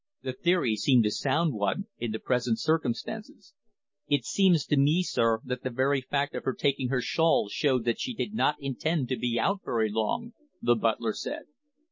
The theory seemed a sound one in the present circumstances. "It seems to me, sir, that the very fact of her taking her shawl showed that she did not intend to be out very long," the butler said.